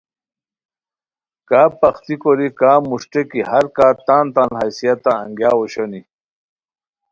کا پختی کوری, کا مو شٹیکی ہر کا تان تان حیثیتہ انگیاؤ اوشونی